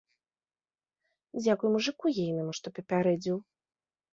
Дзякуй мужыку ейнаму, што папярэдзіў.